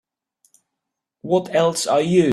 What else are you?